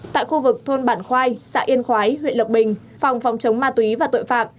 tại khu vực thôn bản khoai xã yên khói huyện lộc bình phòng phòng chống ma túy và tội phạm